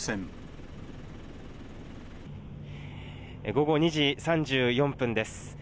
午後２時３４分です。